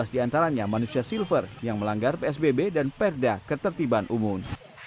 sebelas di antaranya manusia silver yang melanggar psbb dan perda ketertiban umum